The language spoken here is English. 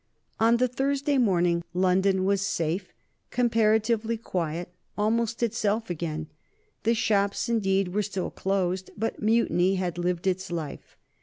On the Thursday morning London was safe, comparatively quiet, almost itself again. The shops indeed were still closed, but mutiny had lived its life.